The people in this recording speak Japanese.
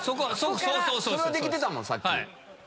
それはできてたもんさっき。